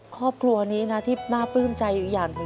ครอบครัวนี้นะที่น่าปลื้มใจอยู่อย่างหนึ่ง